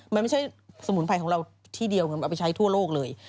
มันไม่ใช่สมุนไพรของเราที่เดียวเอาไปใช้ทั่วโลกเลย